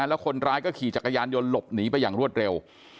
แล้วคนร้ายก็ขี่จักรยานยนต์หลบหนีไปอย่างรวดเร็ว